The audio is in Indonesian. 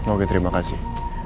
oke terima kasih